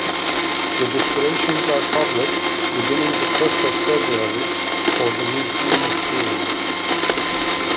Registrations are public beginning the first of February for the mid-June experience.